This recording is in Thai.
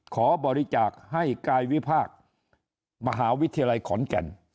ขอบริจาคให้กายวิพากษ์มหาวิทยาลัยขอนแก่น